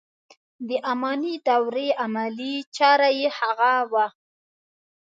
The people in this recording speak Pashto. د اماني دورې عملي چاره یې هغه و.